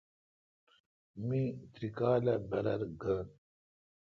می تری کالہ برر گھن۔